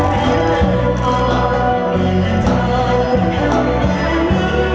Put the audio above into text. สวัสดีครับ